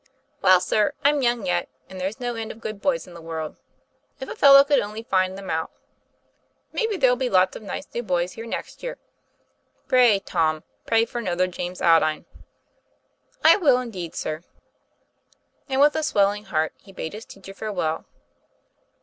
'Well, sir, I'm young yet, and there's no end of good boys in the world, if a fellow could only find them out. Maybe there'll be lots of nice new boys here next year." 'Pray, Tom, pray for another James Aldine. " "I will, indeed, sir." And with a swelling heart he bade his teacher farewell.